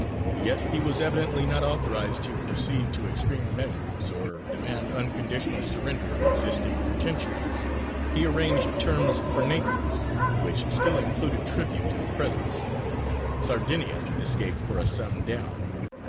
Yet he was evidently not authorized to proceed to extreme measures or demand unconditional surrender of existing pretensions. He arranged terms for Naples, which still included tribute and presents. Sardinia escaped for a sum down.